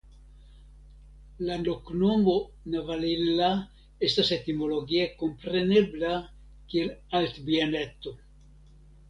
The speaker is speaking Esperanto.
La loknomo "Navalilla" estas etimologie komprenebla kiel Altbieneto.